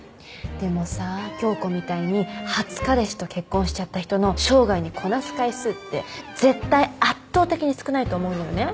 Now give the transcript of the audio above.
でもさ響子みたいに初彼氏と結婚しちゃった人の生涯にこなす回数って絶対圧倒的に少ないと思うんだよね。